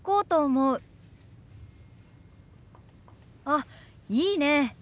あっいいねえ。